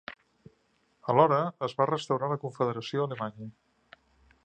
Alhora, es va restaurar la Confederació alemanya.